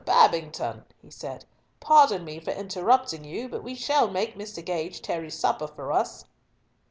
Babington," he said, "pardon me for interrupting you, but we shall make Mr. Gage tarry supper for us."